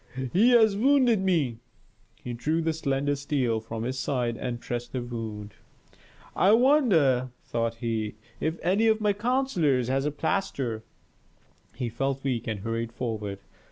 "He has wounded me!" He drew the slender steel from his side and pressed the wound. "I wonder," thought he, "if any of my counsellors has a plaster?" He felt weak and hurried forward.